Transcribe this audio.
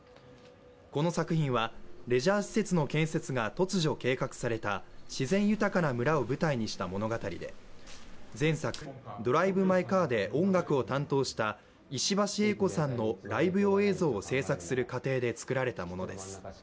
この作品はレジャー施設の建設が突如計画された自然豊かな村を舞台にした物語で、前作「ドライブ・マイ・カー」で音楽を担当した石橋英子さんのライブ用映像を制作する過程で作られたものです。